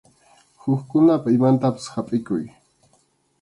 Hukkunapa imantapas hapʼikuy.